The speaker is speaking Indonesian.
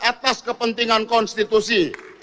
atas kepentingan konstitusi